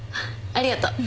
ありがとう。